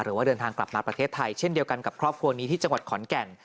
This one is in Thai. หรือว่าเดินทางกลับมาประเทศไทยเช่นเดียวกันกับครอบครัวนี้ที่จังหวัดขอนแก่น